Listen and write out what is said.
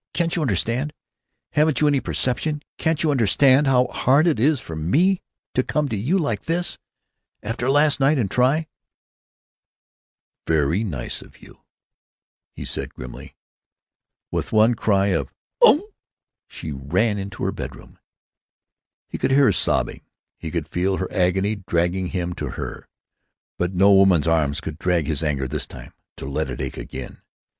Can't you understand—— Haven't you any perception? Can't you understand how hard it is for me to come to you like this, after last night, and try——" "Very nice of you," he said, grimly. With one cry of "Oh!" she ran into her bedroom. He could hear her sobbing; he could feel her agony dragging him to her. But no woman's arms should drug his anger, this time, to let it ache again.